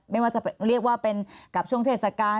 ไม่ว่าจะเรียกว่าเป็นกับช่วงเทศกาล